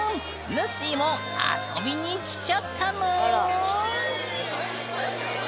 ぬっしーも遊びに来ちゃったぬん！